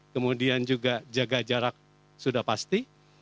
kemudian juga jaga jarak sudah pasti